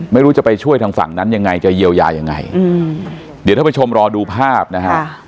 ไม่รู้จะไปช่วยทางฝั่งนั้นยังไงจะเยียวยายังไงอืมเดี๋ยวท่านผู้ชมรอดูภาพนะฮะ